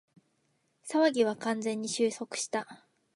騒ぎは完全に収束した